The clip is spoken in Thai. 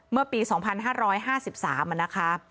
เมื่อปี๒๕๕๓นะคะ